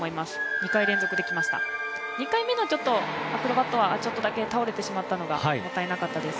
２回連続できました、２回目のアクロバットはちょっとだけ倒れてしまったのがもったいなかったです。